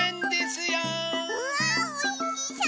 うわおいしそう！